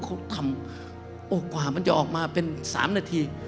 เขาทำโอ้กว่ามันจะออกมาเป็น๓นาที